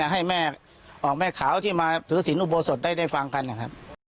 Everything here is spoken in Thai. ให้แม่ขาวที่มาถือศีลอุโบสถได้ฟังกันนะครับ